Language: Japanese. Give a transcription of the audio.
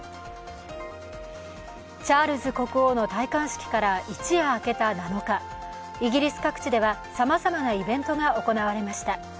チャールズ国王の戴冠式から一夜明けた７日イギリス各地ではさまざまなイベントが行われました。